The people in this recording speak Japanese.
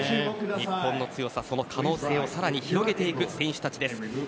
日本の強さ、可能性をさらに広げていく選手たちです。